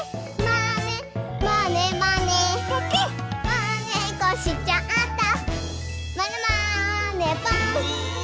「まねっこしちゃったまねまねぽん！」